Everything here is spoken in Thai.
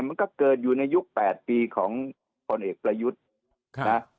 มันก็เกิดอยู่ในยุคแปดปีของคนเอกประยุทธ์ครับ